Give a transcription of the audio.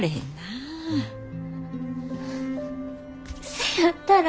そやったら。